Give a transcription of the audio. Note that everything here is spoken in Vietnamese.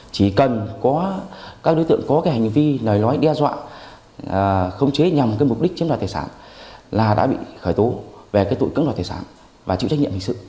chỉ cần các đối tượng có hành vi đe dọa khống chế nhằm mục đích chiếm đoạt thể sản là đã bị khởi tố về tội cưỡng đoạt thể sản